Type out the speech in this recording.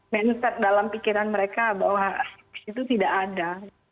mindset dalam pikiran mereka bahwa itu tidak ada